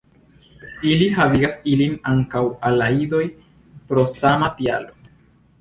Ili havigas ilin ankaŭ al la idoj pro sama tialo.